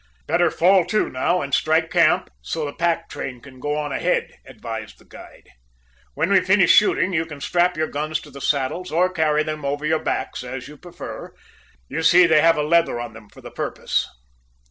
"Better fall to, now, and strike camp, so the pack train can go on ahead," advised the guide. "When we finish shooting you can strap your guns to the saddles, or carry them over your backs, as you prefer. You see they have a leather on them for the purpose."